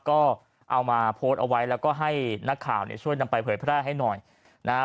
ก็เอามาโพสต์เอาไว้แล้วก็ให้นักข่าวเนี่ยช่วยนำไปเผยแพร่ให้หน่อยนะฮะ